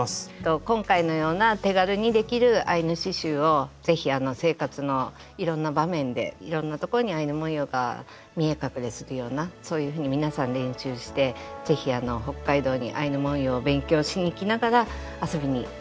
今回のような手軽にできるアイヌ刺しゅうを是非あの生活のいろんな場面でいろんなところにアイヌ文様が見え隠れするようなそういうふうに皆さん練習して是非北海道にアイヌ文様を勉強しにきながら遊びにきて。